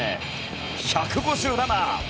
１５７！